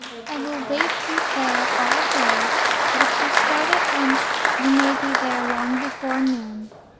I will wait you there all day, but if you start at once, you may be there long before noon.